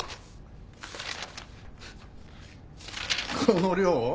この量を？